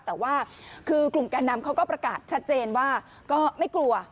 แต่ว่าคือกลุ่มแก่นำเขาก็ประกาศชัดเจนว่าก็ไม่กลัว